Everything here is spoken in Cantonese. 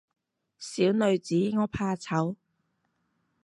小女子我怕醜